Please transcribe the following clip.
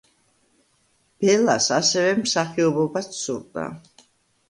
ბელას ასევე მსახიობობობაც სურდა.